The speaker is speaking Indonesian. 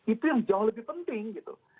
itu yang jauh lebih penting gitu